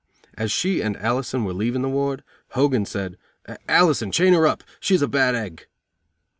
As she and Allison were leaving the ward, Hogan said: "Allison, chain her up. She is a bad egg."